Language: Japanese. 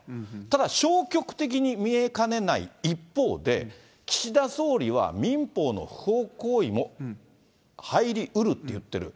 ただ、消極的に見えかねない一方で、岸田総理は民法の不法行為も入りうるって言ってる。